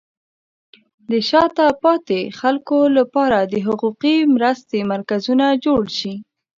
د شاته پاتې خلکو لپاره د حقوقي مرستې مرکزونه جوړ شي.